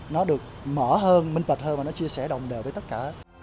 nó được mở hơn minh bạch hơn và nó chia sẻ đồng đều với tất cả